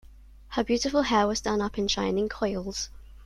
Her beautiful hair was done up in shining coils.